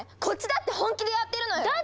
こっちだって本気でやってるのよ！